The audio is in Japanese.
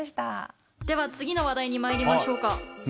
では次の話題にまいりましょうか。